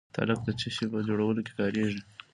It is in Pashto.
تالک د څه شي په جوړولو کې کاریږي؟